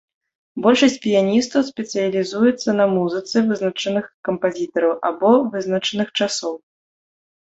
Большасць піяністаў спецыялізуецца на музыцы вызначаных кампазітараў або вызначаных часоў.